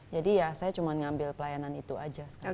jadi ya saya cuma ngambil pelayanan itu aja sekarang